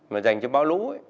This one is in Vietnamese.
mà dành cho báo lũ